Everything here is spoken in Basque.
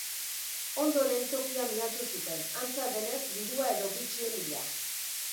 Ondoren tokia miatu zuten, antza denez, dirua edo bitxien bila.